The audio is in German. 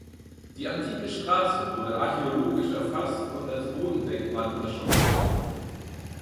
Die antike Straße wurde archäologisch erfasst und als Bodendenkmal unter Schutz gestellt.